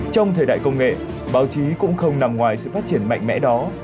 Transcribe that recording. trong thời đại công nghệ báo chí cũng không nằm ngoài sự phát triển mạnh mẽ đó